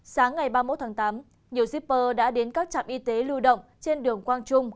sáng ngày ba mươi một tháng tám nhiều shipper đã đến các trạm y tế lưu động trên đường quang trung